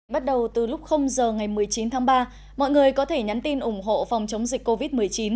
bắt đầu từ lúc giờ ngày một mươi chín tháng ba mọi người có thể nhắn tin ủng hộ phòng chống dịch covid một mươi chín